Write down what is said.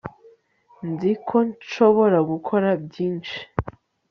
nzi ko nshobora gukora byinshi